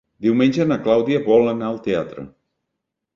Diumenge na Clàudia vol anar al teatre.